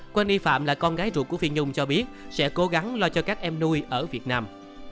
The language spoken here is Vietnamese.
quanh nghi phạm là con gái ruột của phi nhung cho biết sẽ cố gắng lo cho các em nuôi ở việt nam